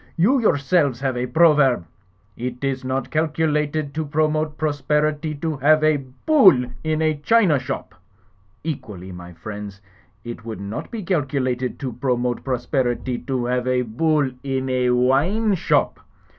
"You yourselves have a proverb, 'It is not calculated to pro mote prosperity to have a Bull in a china shop.' Equally, my friends, it would not be calculated to pro mote prosperity to have a Bull in a wine shop.